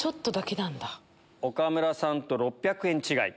岡村さんと６００円違い。